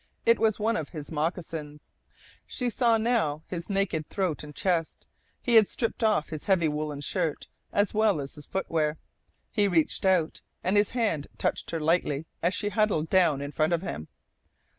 It was one of his moccasins. She saw now his naked throat and chest. He had stripped off his heavy woollen shirt as well as his footwear. He reached out, and his hand touched her lightly as she huddled down in front of him.